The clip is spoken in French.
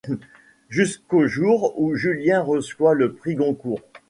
Jusqu'au jour où Julien reçoit le prix Goncourt.